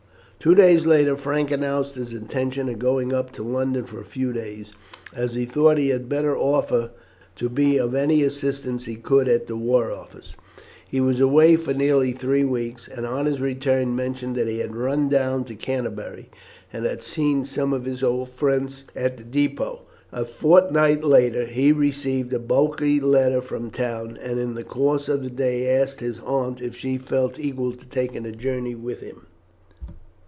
Two days later Frank announced his intention of going up to London for a few days, as he thought he had better offer to be of any assistance he could at the War Office. He was away for nearly three weeks, and on his return mentioned that he had run down to Canterbury, and had seen some of his old friends at the depôt. A fortnight later he received a bulky letter from town, and in the course of the day asked his aunt if she felt equal to taking a journey with him.